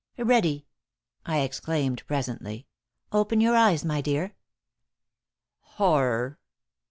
"Ready!" I exclaimed, presently. "Open your eyes, my dear!" Horror!